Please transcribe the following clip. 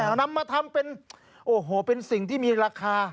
นำมาทำเป็นโอ้โหเป็นสิ่งที่มีราคา